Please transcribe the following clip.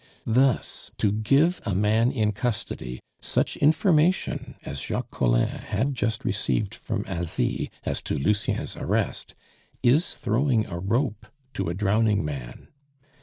Thus, to give a man in custody such information as Jacques Collin had just received from Asie as to Lucien's arrest, is throwing a rope to a drowning man.